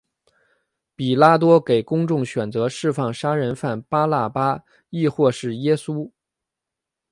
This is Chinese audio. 比拉多给公众选择释放杀人犯巴辣巴抑或是耶稣。